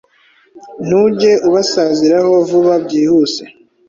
ntujye ubasaziraho vuba byihuse.